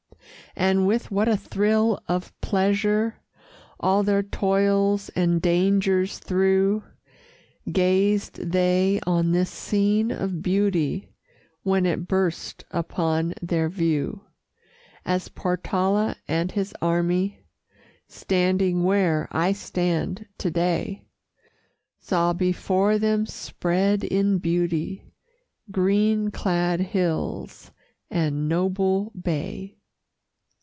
And with what a thrill of pleasure, All their toils and dangers through, Gazed they on this scene of beauty When it burst upon their view, As Portala and his army, Standing where I stand to day, Saw before them spread in beauty Green clad hills and noble bay.